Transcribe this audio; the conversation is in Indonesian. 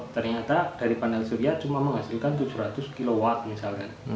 ternyata dari panel surya cuma menghasilkan tujuh ratus kilowatt misalnya